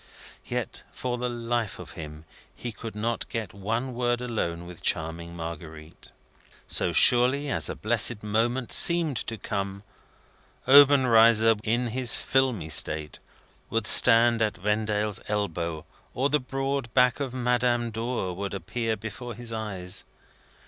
Yet, for the life of him, he could not get one word alone with charming Marguerite. So surely as a blessed moment seemed to come, Obenreizer, in his filmy state, would stand at Vendale's elbow, or the broad back of Madame Dor would appear before his eyes.